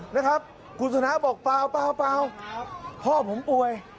นะครับคุณชนะบอกเปล่าพ่อผมป่วย